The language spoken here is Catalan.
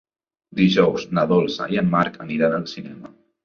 Dijous na Dolça i en Marc aniran al cinema.